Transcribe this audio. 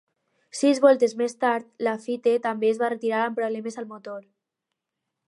Sis voltes més tard, Laffite també es va retirar amb problemes al motor.